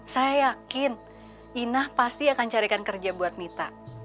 saya yakin inah pasti akan carikan kerja buat mita